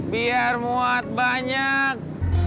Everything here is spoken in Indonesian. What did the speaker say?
biar muat banyak